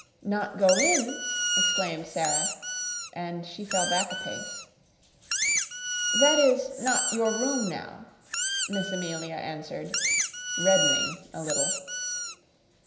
"Not go in?" exclaimed Sara, and she fell back a pace. "That is not your room now," Miss Amelia answered, reddening a little.